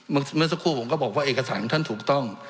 เมื่อสักครู่ผมก็บอกว่าเอกสารท่านถูกต้อง